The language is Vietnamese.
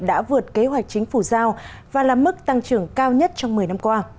đã vượt kế hoạch chính phủ giao và là mức tăng trưởng cao nhất trong một mươi năm qua